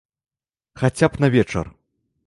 Хаця б на вечар.